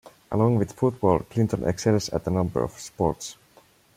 Along with football, Clinton excels at a number of other sports.